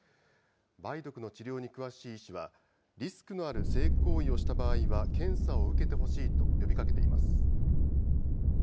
梅毒の治療に詳しい医師は、リスクのある性行為をした場合は、検査を受けてほしいと呼びかけています。